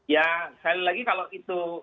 ya sekali lagi kalau itu